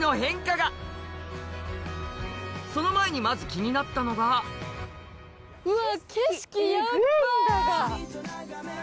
その前にまず気になったのがうわ！